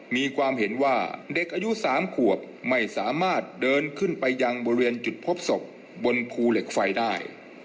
มีความเห็นว่าเด็กอายุ๓ขวบไม่สามารถเดินขึ้นไปยังบริเวณจุดพบศพบนภูเหล็กไฟได้